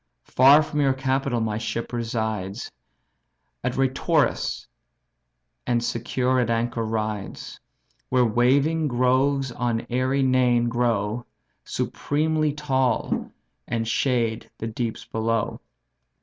Far from your capital my ship resides At Reitorus, and secure at anchor rides; Where waving groves on airy Neign grow, Supremely tall and shade the deeps below.